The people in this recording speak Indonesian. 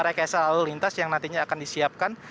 rekesal lintas yang nantinya akan disiapkan